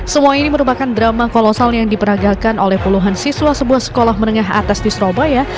semua ini merupakan drama kolosal yang diperagakan oleh puluhan siswa sebuah sekolah menengah atas di surabaya